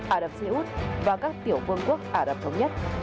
ả đập xê út và các tiểu vương quốc ả đập thống nhất